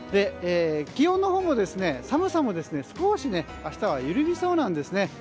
気温のほうも寒さも少し明日は緩みそうなんですね。